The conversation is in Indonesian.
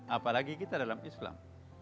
apalagi kita dalam islam